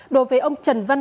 đối với ông trần văn công